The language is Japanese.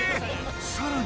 さらに。